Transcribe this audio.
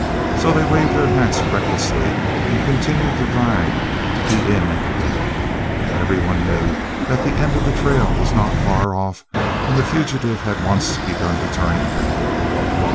So they waved their hats recklessly and continued to ride to be in at the death. And every one knew that the end of the trail was not far off when the fugitive had once begun to turn at bay.